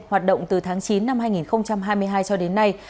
hoạt động từ tháng chín năm hai nghìn hai mươi hai cho đến nay